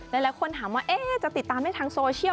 หลายคนถามว่าจะติดตามได้ทางโซเชียล